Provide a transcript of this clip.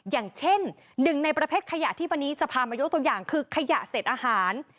อย่างเช่นหนึ่งในประเภทขยะที่วันนี้จะพามายกตัวอย่างคือขยะเศษอาหาร